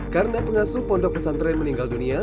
karena pengasuh pondok pesantren meninggal dunia